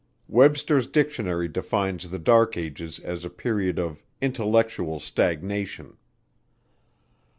Webster's Dictionary defines the Dark Ages as a period of "intellectual stagnation."